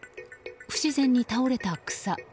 不自然に倒れた草。